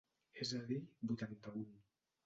És a dir, vuitanta-un.